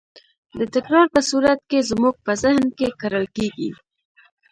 د تکرار په صورت کې زموږ په ذهن کې کرل کېږي.